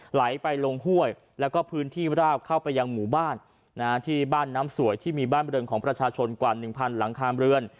ไหลไปลงห้วยแล้วก็พื้นที่ราบเข้าไปยังหมู่บ้านที่บ้านน้ำสวยที่มีบ้านบริเวณของประชาชนกว่า๑๐๐หลังคาเรือน